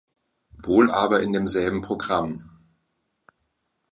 Wohl aber in demselben Programm.